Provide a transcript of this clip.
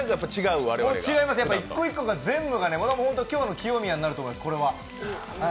違います、１個１個が全部が今日の清宮になると思います。